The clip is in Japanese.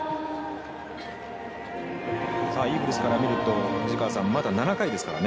イーグルスから見るとまだ７回ですからね。